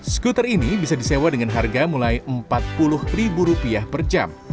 skuter ini bisa disewa dengan harga mulai rp empat puluh per jam